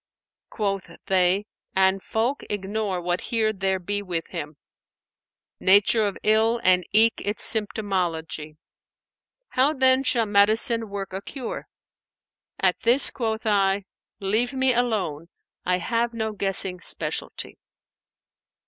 Quoth they, 'An folk ignore what here there be with him * Nature of ill and eke its symptomology, How then shall medicine work a cure?' At this quoth I * 'Leave me alone; I have no guessing specialty.'"